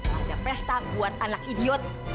nggak ada pesta buat anak idiot